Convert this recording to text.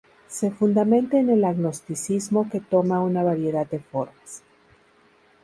Se fundamenta en el agnosticismo, que toma una variedad de formas.